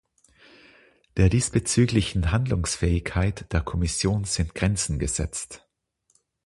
Der diesbezüglichen Handlungsfähigkeit der Kommission sind Grenzen gesetzt.